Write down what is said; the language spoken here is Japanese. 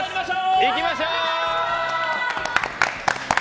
行きましょう！